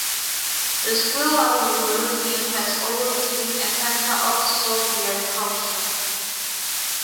The Spreewald region has always been a centre of Sorbian culture.